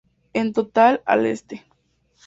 En total, Al St.